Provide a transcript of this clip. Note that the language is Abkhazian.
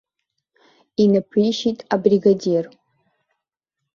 Инаԥишьит абригадир.